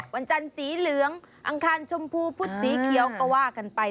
วันจันทร์สีเหลืองอังคารชมพูพุธสีเขียวก็ว่ากันไป